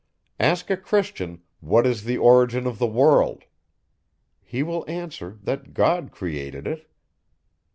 Ask a Christian, what is the origin of the world? He will answer, that God created it.